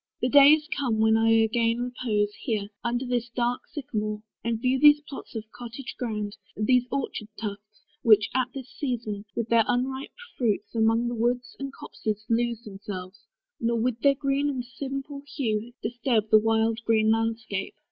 The day is come when I again repose Here, under this dark sycamore, and view These plots of cottage ground, these orchard tufts, Which, at this season, with their unripe fruits, Among the woods and copses lose themselves, Nor, with their green and simple hue, disturb The wild green landscape.